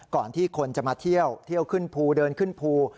ก่อนที่คนจะมาเที่ยวเที่ยวขึ้นภูเดินขึ้นภู